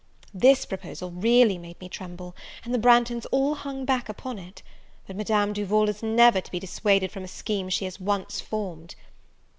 This proposal really made me tremble, and the Branghtons all hung back upon it; but Madame Duval is never to be dissuaded from a scheme she has once formed.